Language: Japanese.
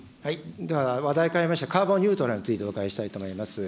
では、話題を変えまして、カーボンニュートラルについてお伺いしたいと思います。